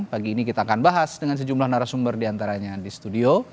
pagi ini kita akan bahas dengan sejumlah narasumber diantaranya di studio